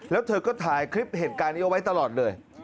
แล้วเธอก็ถ่ายคลิปเหตุการณ์นี้เอาไว้ตลอดเลย